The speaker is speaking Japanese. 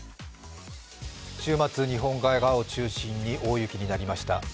週末、日本海側を中心に大雪になりました。